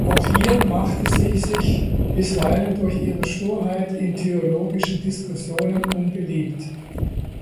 Auch hier machte sie sich bisweilen durch ihre Sturheit in theologischen Diskussionen unbeliebt.